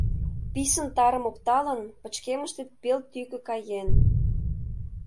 Писын тарым опталын, пычкемыштет пел тӱкӧ каен.